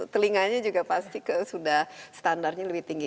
telinganya juga pasti sudah standarnya lebih tinggi